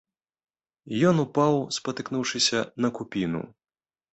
Ён упаў, спатыкнуўшыся, на купіну.